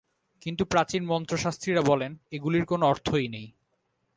কিন্তু প্রাচীন মন্ত্রশাস্ত্রীরা বলেন এগুলির কোন অর্থই নেই।